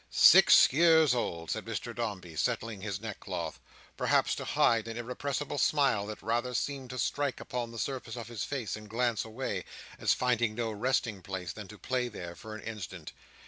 "Six years old!" said Mr Dombey, settling his neckcloth—perhaps to hide an irrepressible smile that rather seemed to strike upon the surface of his face and glance away, as finding no resting place, than to play there for an instant.